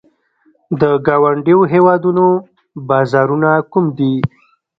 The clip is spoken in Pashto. د ګاونډیو هیوادونو بازارونه کوم دي؟